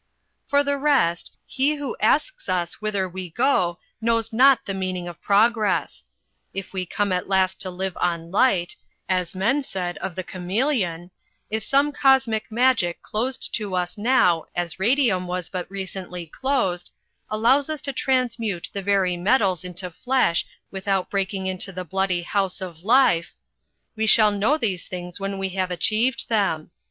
"For the rest, he who asks us whither we go knows not the meaning of Progress. If we come at last to live on light, as men said of the chameleon, if some cosmic magic closed to us now, as radium was but recently closed, allows us to transmute the very metals into flesh without breaking into the bloody house of life, we shall know these things when we have achieved them.